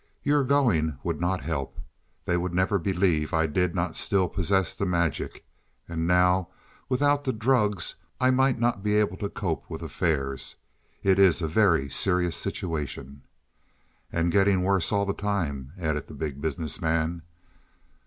"Your going would not help. They would never believe I did not still possess the magic. And now, without the drugs I might not be able to cope with affairs. It is a very serious situation." "And getting worse all the time," added the Big Business Man.